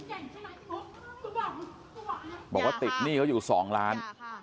มาบอกว่าติดหนี้เขาอยู่๒ล้าน